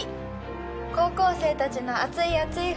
高校生たちの熱い熱い冬